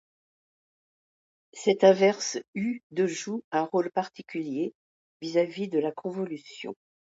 Cet inverse μ de joue un rôle particulier, vis-à-vis de la convolution.